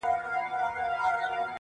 کنې دا زړه بېړی به مو ډوبېږي،